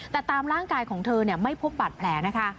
แต่ตามร่างกายของเธอไม่พบบาดแผลนะคะ